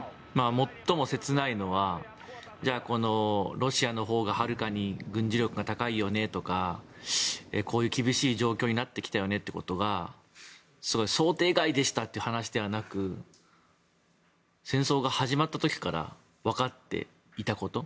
最も切ないのはロシアのほうがはるかに軍事力が高いよねとかこういう厳しい状況になってきたよねということが想定外でしたって話ではなく戦争が始まった時からわかっていたこと。